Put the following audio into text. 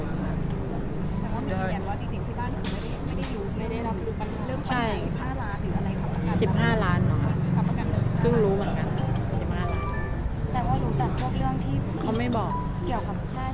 แต่ว่ามีเหตุการณ์จริงที่บ้านมีไม่ได้รู้